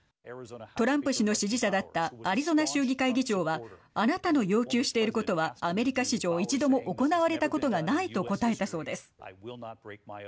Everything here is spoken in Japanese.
トランプ氏の支持者だったアリゾナ州議会議長はあなたの要求していることはアメリカ史上一度も行われたことがないと答えたそうです。